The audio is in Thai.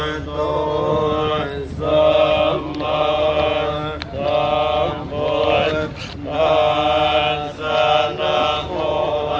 อธินาธาเวระมะนิสิขาปะทังสมาธิยามี